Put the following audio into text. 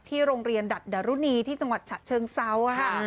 โรงเรียนดัดดารุณีที่จังหวัดฉะเชิงเซาค่ะ